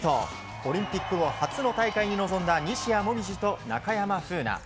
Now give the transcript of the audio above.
オリンピック後初の大会に臨んだ西矢椛と中山楓奈。